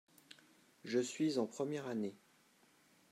Je suis en première année.